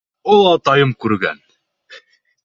— Олатайым күргән.